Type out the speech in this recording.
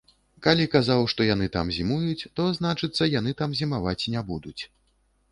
Калі казаў, што яны там зімуюць, то, значыцца, яны там зімаваць не будуць.